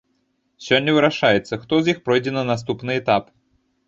Сёння вырашаецца, хто з іх пройдзе на наступны этап.